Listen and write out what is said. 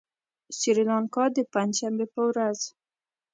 سريلانکا د پنجشنبې په ورځ